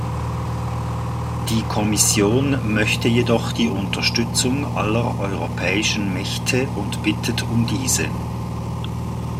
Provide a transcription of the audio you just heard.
Die Kommission möchte jedoch die Unterstützung aller europäischen Mächte und bittet um diese.